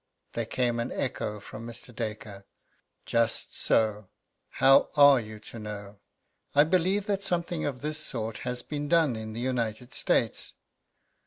There came an echo from Mr. Dacre: "Just so how are you to know?" "I believe that something of this sort has been done in the United States."